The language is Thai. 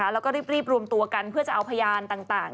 แล้วก็รีบรวมตัวกันเพื่อจะเอาพยานต่าง